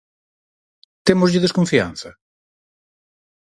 Témoslle desconfianza?